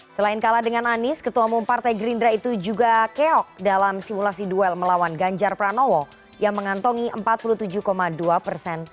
selain kalah dengan anies ketua umum partai gerindra itu juga keok dalam simulasi duel melawan ganjar pranowo yang mengantongi empat puluh tujuh dua persen